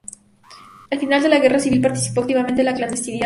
Al final de la Guerra Civil, participó activamente en la clandestinidad.